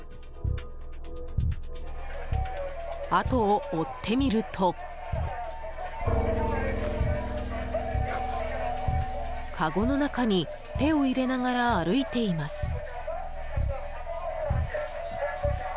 後を追ってみると、かごの中に手を入れながら歩いています。